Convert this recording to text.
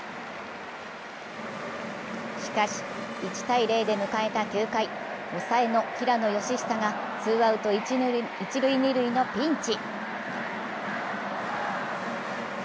しかし１−０で迎えた９回、抑えの平野佳寿がツーアウト、一・二塁のピンチ。